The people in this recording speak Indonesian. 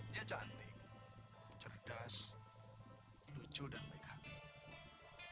dia cantik cerdas lucu dan negatif